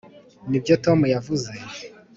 nibyo tom yavuze?